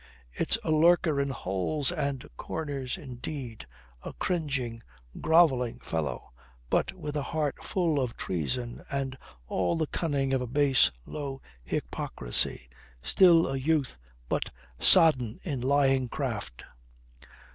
It's a lurker in holes and corners, indeed, a cringing, grovelling fellow. But with a heart full of treason and all the cunning of a base, low hypocrisy. Still a youth, but sodden in lying craft."